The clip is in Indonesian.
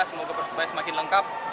semoga persebaya semakin lengkap